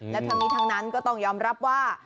และทั้งนี้ทั้งนั้นก็ต้องยอมรับว่า